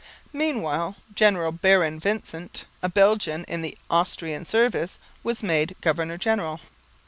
Meanwhile General Baron Vincent, a Belgian in the Austrian service, was made governor general.